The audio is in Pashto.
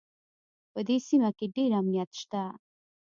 په دې سیمه کې ډېر امنیت شته